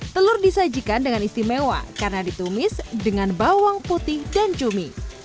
telur disajikan dengan istimewa karena ditumis dengan bawang putih dan cumi